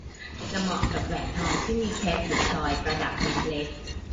จะเหมาะกับแหวนทองที่มีเพชรหรือพลอยประดับเม็ดเล็ก